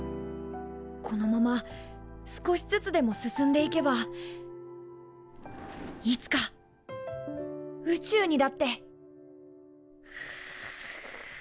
このまま少しずつでも進んでいけばいつか宇宙にだって。